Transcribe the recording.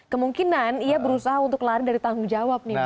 kemungkinan ia berusaha untuk lari dari tanggung jawab nih